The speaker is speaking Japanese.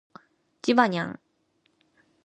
ジバニャン